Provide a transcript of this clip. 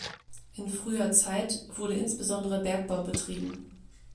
In früher Zeit wurde insbesondere Bergbau betrieben.